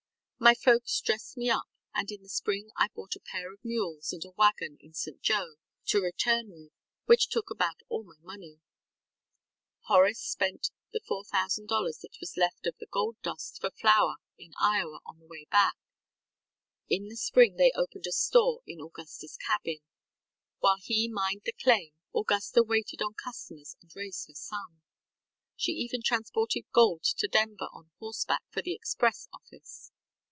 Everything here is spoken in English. My folks dressed me up, and in the spring I bought a pair of mules and a wagon in St. Joe to return with, which took about all my money. ŌĆØ Horace spent the $4,000 that was left of the gold dust for flour in Iowa on the way back. In the spring they opened a store in AugustaŌĆÖs cabin. While he mined the claim, Augusta waited on customers and raised her son. She even transported gold to Denver on horseback for the express office.